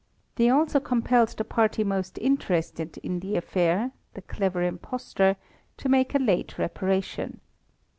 They also compelled the party most interested in the affair, the clever impostor, to make a late reparation.